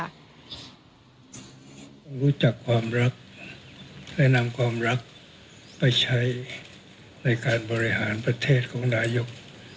รู้จักความรักและนำความรักไปใช้ในการบริหารประเทศของนายก